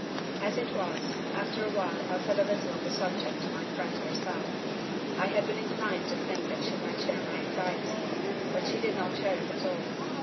"As it was, after a while I said a little on the subject to my friend herself. I had been inclined to think that she might share my anxiety, but she did not share it at all.